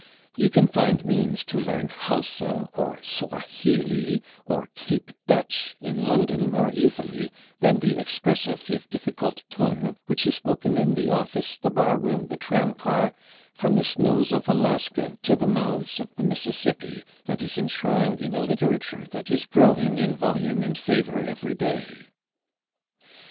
You can find means to learn Hausa or Swahili or Cape Dutch in London more easily than the expressive, if difficult, tongue which is spoken in the office, the bar room, the tram car, from the snows of Alaska to the mouths of the Mississippi, and is enshrined in a literature that is growing in volume and favor every day.